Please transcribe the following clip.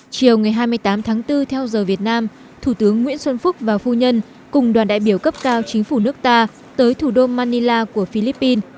chiều ngày hai mươi tám tháng bốn theo giờ việt nam thủ tướng nguyễn xuân phúc và phu nhân cùng đoàn đại biểu cấp cao chính phủ nước ta tới thủ đô manila của philippines